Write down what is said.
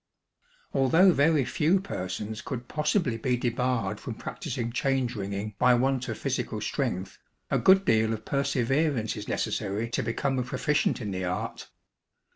Although very few persons could possibly be debarred from practising change ringing by want of physical strength, a good deal of perseverance is necessary to become a proficient in the art.